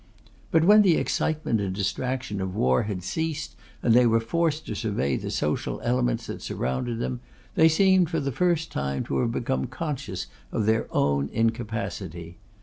But when the excitement and distraction of war had ceased, and they were forced to survey the social elements that surrounded them, they seemed, for the first time, to have become conscious of their own incapacity.